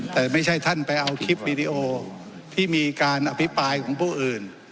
แต่ไม่ใช่ท่านไปเอาคลิปวีดีโอที่มีการอภิปรายของผู้อื่น